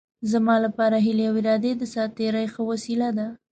زما لپاره هیلې او ارادې د ساعت تېرۍ ښه وسیله ده.